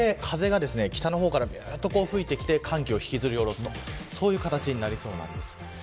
冬型の気圧配置になってくるのでこれで風が北の方から吹いてきて寒気を引きずり下ろすそういう形になりそうです。